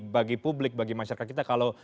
bagi publik bagi masyarakat kita kalau